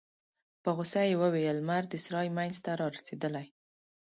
په غوسه يې وویل: لمر د سرای مينځ ته رارسيدلی.